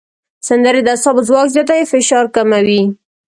سندرې د اعصابو ځواک زیاتوي او فشار کموي.